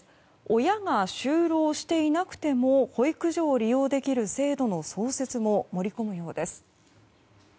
親が就労していなくても保育所を利用できる制度の創設も盛り込むようです。